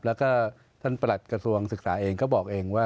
แล้วก็ท่านประหลัดกระทรวงศึกษาเองก็บอกเองว่า